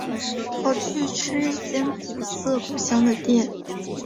跑去吃一间古色古香的店